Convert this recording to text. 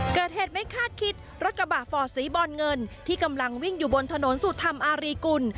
เกิดเหตุไม่คาดคิดรถกระบะฟอร์ดสีบอลเงินที่กำลังวิ่งอยู่บนถนนสุธรรมอารีกุล